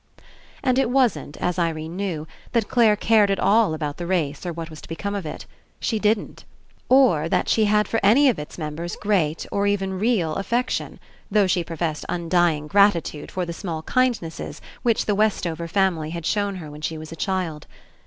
And it wasn't, as Irene knew, that Clare cared at all about the race or what was to be come of it. She didn't. Or that she had for any of its members great, or even real, affection, though she professed undying gratitude for the small kindnesses which the Westover family had shown her when she was a child.